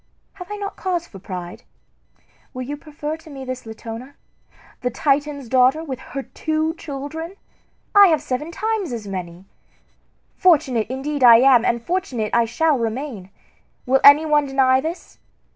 Have I not cause for pride? Will you prefer to me this Latona, the Titan's daughter, with her two children? I have seven times as many. Fortunate indeed am I, and fortunate I shall remain! Will any one deny this?